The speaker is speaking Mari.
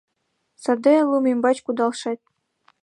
— Саде лум ӱмбач кудалшет...